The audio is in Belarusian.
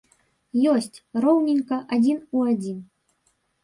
Ёсць, роўненька адзін у адзін.